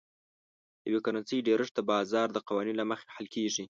د یوې کرنسۍ ډېرښت د بازار د قوانینو له مخې حل کیږي.